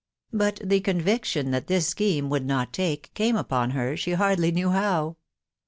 But the conviction that this scheme would not take, came upon her, she hardly knew how.